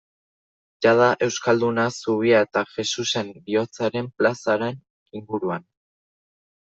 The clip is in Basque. Jada Euskalduna zubia eta Jesusen Bihotzaren plazaren inguruan.